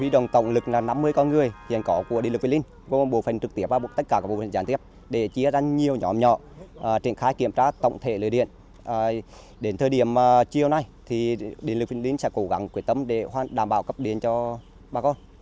đến thời điểm chiều nay thì điện lực huyện vĩnh linh sẽ cố gắng quyết tâm để đảm bảo cấp điện cho bà con